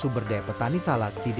semoga hari ini standar lagi